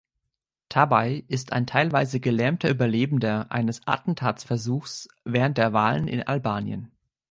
Tabaj ist ein teilweise gelähmter Überlebender eines Attentatsversuchs während der Wahlen in Albanien.